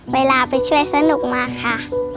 เวลาไปช่วยสนุกมากค่ะ